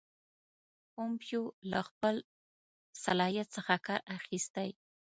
پومپیو له خپل صلاحیت څخه کار اخیستی.